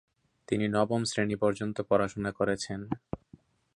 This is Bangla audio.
তিনি নবম শ্রেণি পর্যন্ত পড়াশোনা করেছেন।